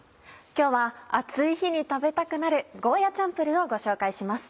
今日は暑い日に食べたくなる「ゴーヤチャンプルー」をご紹介します。